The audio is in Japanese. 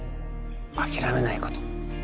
諦めないこと